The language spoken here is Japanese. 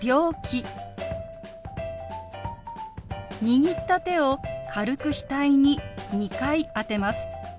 握った手を軽く額に２回当てます。